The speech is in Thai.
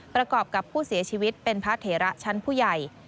ประกอบกับผู้เสียชีวิตเป็นพระเถระชั้นผู้ใหญ่